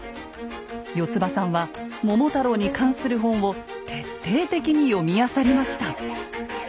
よつばさんは「桃太郎」に関する本を徹底的に読みあさりました。